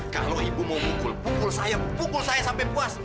kalau ibu mau pukul pukul saya pukul saya sampai puas